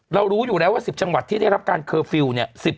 รู้อยู่แล้วว่า๑๐จังหวัดที่ได้รับการเคอร์ฟิลล์เนี่ย